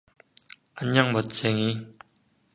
안녕, 멋쟁이.